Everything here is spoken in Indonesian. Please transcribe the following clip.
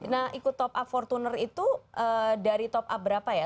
nah ikut top up for tuner itu dari top up berapa ya